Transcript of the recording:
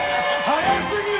早すぎる！